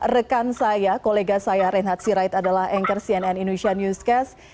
rekan saya kolega saya reinhard sirait adalah anchor cnn indonesia newscast